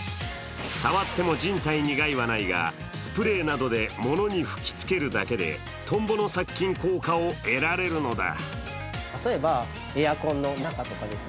触っても人体に害はないが、スプレーなどでものに吹き付けるだけでトンボの殺菌効果を得られるのだ。